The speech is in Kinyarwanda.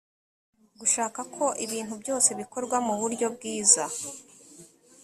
gushaka ko ibintu byose bikorwa mu buryo bwiza